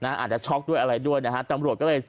อาจจะช็อกด้วยอะไรด้วยนะฮะตำรวจก็เลย